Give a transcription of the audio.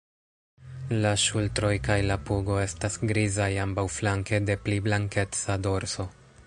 La ŝultroj kaj la pugo estas grizaj ambaŭflanke de pli blankeca dorso.